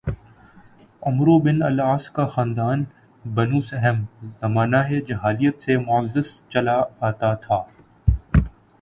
"عمروبن العاص کا خاندان "بنوسہم"زمانہ جاہلیت سے معزز چلا آتا تھا"